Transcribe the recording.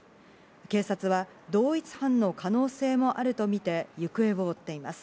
警察は同一犯の可能性もあるとみて行方を追っています。